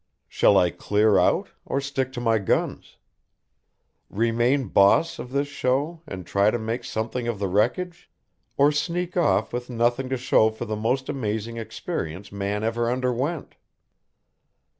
Shall I clear out, or stick to my guns? Remain boss of this show and try and make something of the wreckage, or sneak off with nothing to show for the most amazing experience man ever underwent?